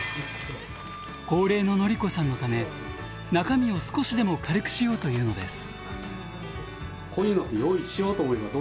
高齢ののりこさんのため中身を少しでも軽くしようというのです。